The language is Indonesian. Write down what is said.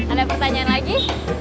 ada pertanyaan lagi